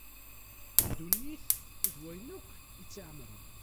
Ddunit d wayen akk i tt-iɛemṛen.